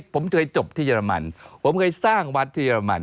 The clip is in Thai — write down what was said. ผมเคยจบที่เรมันผมเคยสร้างวัดที่เรมัน